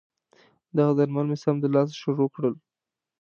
دغه درمل مې سمدلاسه شروع کړل.